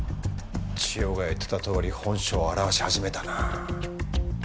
千代が言ってたとおり本性を現し始めたな。